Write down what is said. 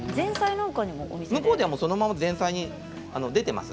向こうではそのまま前菜で出ています。